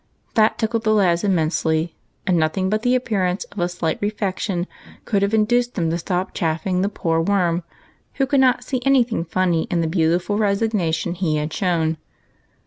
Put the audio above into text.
That tickled the lads immensely, and nothing but the appearance of a slight refection would have in duced them to stop chaffing the poor Worm, who could not see any thing funny in the beautiful resig nation he had shown on this trying occasion.